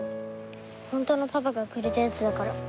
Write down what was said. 本当のパパがくれたやつだから。